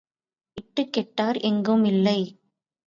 இட்டுக் கெட்டார் எங்கும் இல்லை.